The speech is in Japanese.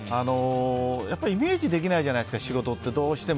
やっぱりイメージできないじゃないですか、仕事ってどうしても。